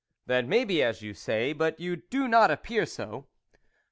" That may be as you say, but you do not appear so."